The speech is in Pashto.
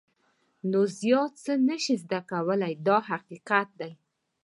نو زیات څه نه شې زده کولای دا حقیقت دی.